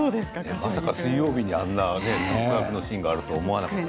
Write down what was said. まさか水曜日にあんなシーンがあると思わなかった。